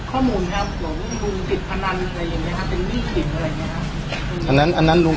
เรื่องว่ามีเรื่องค้อง